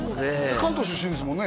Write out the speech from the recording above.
関東出身ですもんね